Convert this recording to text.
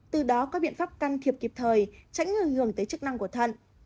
từ đó có biện pháp can thiệp kịp thời tránh người hưởng tới chức năng của thận